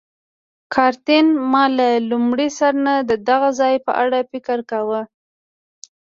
کاترین: ما له لومړي سر نه د دغه ځای په اړه فکر کاوه.